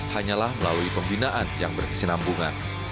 hanyalah melalui pembinaan yang berkesinambungan